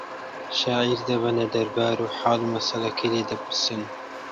شاعیر دەبەنە دەربار و حاڵ و مەسەلەکەی لێ دەپرسن